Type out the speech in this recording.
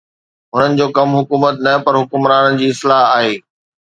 هنن جو ڪم حڪومت نه پر حڪمرانن جي اصلاح آهي